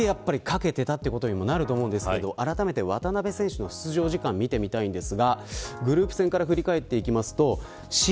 それだけ、かけていたということにもなると思うんですけどもあらためて、渡邊選手の出場時間見てみます。